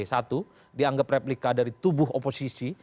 satu dianggap replika dari tubuh oposisi